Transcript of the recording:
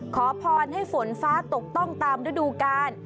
ขอพรให้ฝนฟ้าตกต้องตามฤดูกาล